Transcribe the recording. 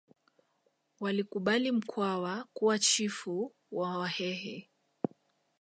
walikubali Mkwawa kuwa chifu wa wahehe